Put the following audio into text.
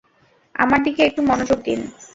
আমার দিকে একটু মনোযোগ দিন!